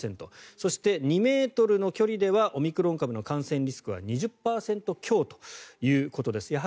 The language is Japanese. そして、２ｍの距離ではオミクロン株の感染リスクは２０％強ということです。